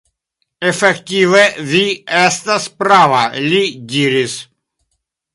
Efektive vi estas prava, li diris.